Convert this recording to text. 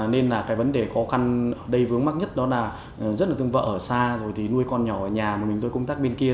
nên là cái vấn đề khó khăn đầy vướng mắc nhất đó là rất là thương vợ ở xa rồi thì nuôi con nhỏ ở nhà mà mình tôi công tác bên kia